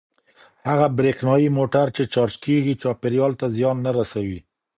هغه برېښنايي موټر چې چارج کیږي چاپیریال ته زیان نه رسوي.